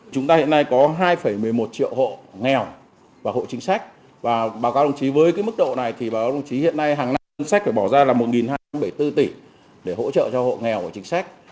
chúng ta hiện nay có hai một mươi một triệu hộ nghèo và hộ chính sách và báo cáo đồng chí với mức độ này thì báo đồng chí hiện nay hàng năm chính sách phải bỏ ra là một hai trăm bảy mươi bốn tỷ để hỗ trợ cho hộ nghèo và chính sách